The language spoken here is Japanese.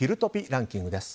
ランキングです。